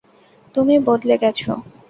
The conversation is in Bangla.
তুমি বদলে গেছো।